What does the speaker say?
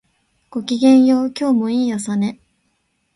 ごきげんよう、今日もいい朝ね